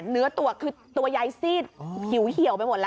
เนื้อตัวคือตัวยายซีดหิวเหี่ยวไปหมดแล้ว